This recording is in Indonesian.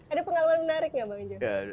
ada pengalaman menarik nggak bang jo